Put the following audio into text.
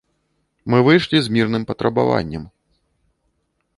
Мы выйшлі з мірным патрабаваннем.